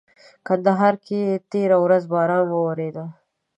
کندهار کي تيره ورځ باران ووريدلي.